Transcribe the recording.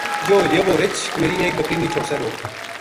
یوہ حِلیو وو رچھ میری ایک بکری نیہہ چھوڈسے گو